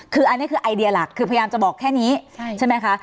คืออันนี้คือไอเดียหลักคือพยายามจะบอกแค่นี้ใช่ไหมคะ